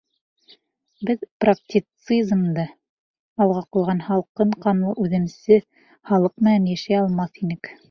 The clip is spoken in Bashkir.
Беҙ практицизмды алға ҡуйған һалҡын ҡанлы, үҙемсе халыҡ менән йәшәй алмаҫ инек.